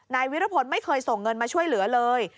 นายวิรพลไม่เคยส่งเงินมาช่วยเหลือเลย